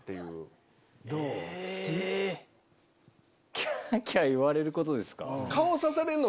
キャキャ言われることですか。